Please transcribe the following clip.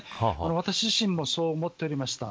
私自身もそう思っておりました。